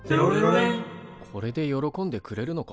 これで喜んでくれるのか？